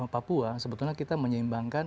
papua sebetulnya kita menyeimbangkan